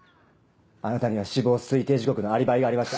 あなたには死亡推定時刻のアリバイがありました。